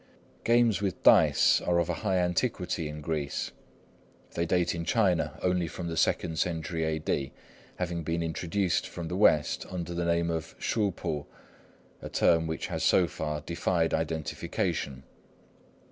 Games with dice are of a high antiquity in Greece; they date in China only from the second century A.D., having been introduced from the West under the name of shu p'u, a term which has so far defied identification.